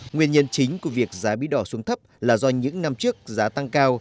nguyên nhân chính của việc giá bí đỏ xuống thấp là do những năm trước giá tăng cao